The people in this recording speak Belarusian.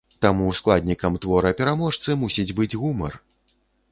Таму складнікам твора-пераможцы мусіць быць гумар.